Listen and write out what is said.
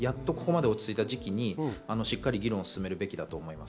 そのへんもここまで落ち着いた時期にしっかり議論を進めるべきだと思います。